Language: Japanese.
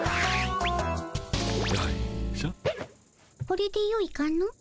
これでよいかの？